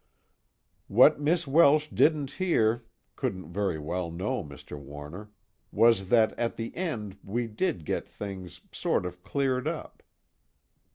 _ "What Miss Welsh didn't hear, couldn't very well know, Mr. Warner, was that at the end we did get things sort of cleared up."